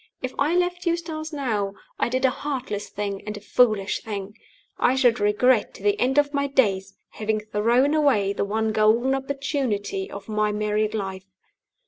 If I left Eustace now, I did a heartless thing and a foolish thing. I should regret, to the end of my days, having thrown away the one golden opportunity of my married life.